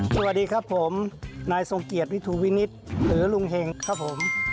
สวัสดีครับผมนายทรงเกียจวิทูวินิตหรือลุงเห็งครับผม